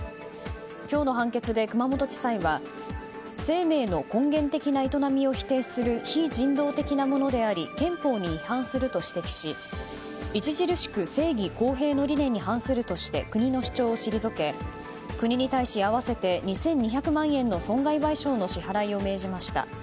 今日の判決で熊本地裁は生命の根源的な営みを否定する非人道的なものであり憲法に違反すると指摘し著しく正義・公平の理念に反するとして国の主張を退け国に対し、合わせて２２００万円の損害賠償の支払いを命じました。